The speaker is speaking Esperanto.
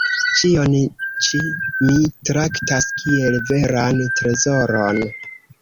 Ĉion ĉi mi traktas kiel veran trezoron.